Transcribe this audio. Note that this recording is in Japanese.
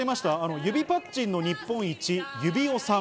指パッチンの日本一、指男さん。